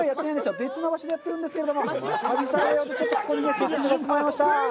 別の場所でやっているんですけれども、旅サラダ用で、ちょっとやらせてもらいました。